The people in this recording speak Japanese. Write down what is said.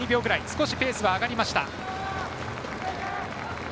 少しペースは上がりました。